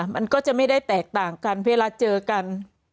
มันก็จะไม่ได้แตกต่างกันเวลาเจอกัน